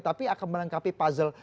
tapi akan melengkapi puzzle